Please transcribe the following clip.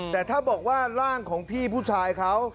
แต่ถ้าบอกว่าร่างของพี่ผู้ชายเขา